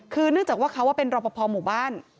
คือนึกจากว่าเขาว่าเป็นรพพหมู่บ้าน